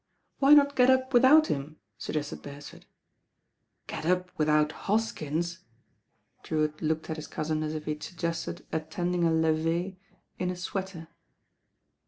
"Why not get up without him?" suggested Beres ford. "Get p without Hoskins!" Drewitt looked at his cousj.i as if he had suggested attending a levee in a sweater.